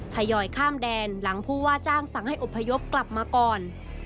ทยอยข้ามแดนหลังผู้ว่าจ้างสั่งให้อบพยพกลับมาก่อน